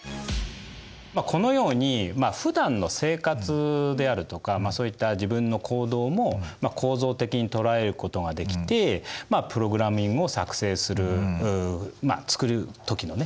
このようにふだんの生活であるとかそういった自分の行動も構造的に捉えることができてまあプログラミングを作成する作る時のね